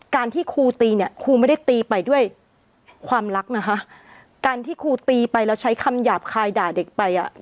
การที่ครูตีเนี่ยครูไม่ได้ตีไปด้วยความรักนะคะการที่ครูตีไปแล้วใช้คำหยาบคายด่าเด็กไปอ่ะ